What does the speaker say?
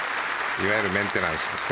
いわゆるメンテナンスですね。